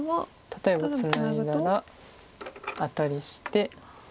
例えばツナいだらアタリして。